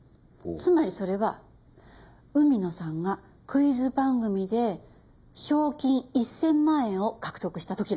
つまりそれは海野さんがクイズ番組で賞金１０００万円を獲得した時なんです。